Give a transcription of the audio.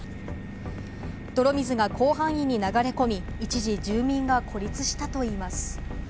泥水が広範囲に流れ込み、一時住民が孤立したといいます。